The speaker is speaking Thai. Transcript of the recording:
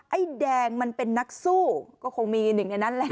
ไอ้แดงมันเป็นนักสู้ก็คงมีหนึ่งในนั้นแหละ